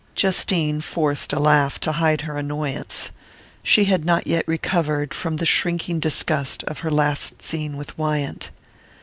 Justine forced a laugh to hide her annoyance. She had not yet recovered from the shrinking disgust of her last scene with Wyant.